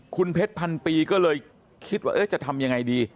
คุณเพชรพันปีก็เลยคิดว่าจะทำยังไงดี